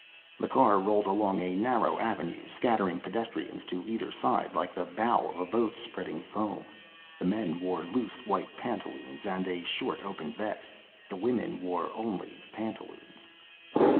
The car rolled along a narrow avenue, scattering pedestrians to either side like the bow of a boat spreading foam. The men wore loose white pantaloons and a short open vest; the women wore only the pantaloons.